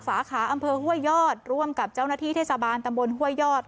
สาขาอำเภอห้วยยอดร่วมกับเจ้าหน้าที่เทศบาลตำบลห้วยยอด